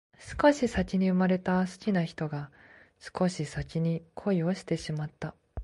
少し先に生まれた好きな人が少し先に恋をしてしまった